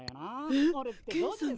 えっケンさん